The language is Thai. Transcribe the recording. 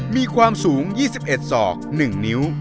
มีความสูง๒๑ศอก๑นิ้ว